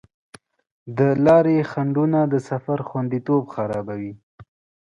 د لارې خنډونه د سفر خوندیتوب خرابوي.